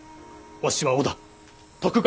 わしは織田徳川